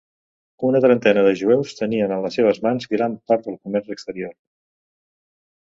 Una trentena de jueus tenien en les seves mans gran part del comerç exterior.